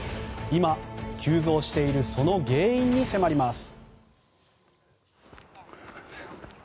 今、急増しているその原因に迫ります。